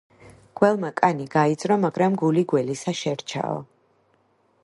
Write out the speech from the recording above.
გველმა კანი გაიძრო, მაგრამ გული გველისა შერჩაო!